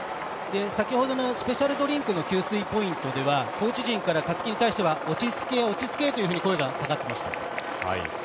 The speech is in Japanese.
先ほどのスペシャルドリンクの給水ポイントではコーチ陣から勝木に対しては落ち着け、落ち着けと声がかかっていました。